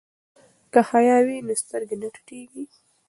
که حیا وي نو سترګې نه ټیټیږي.